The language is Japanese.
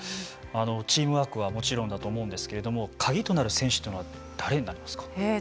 チームワークはもちろんだと思うんですけれども鍵となる選手というのは誰になりますか。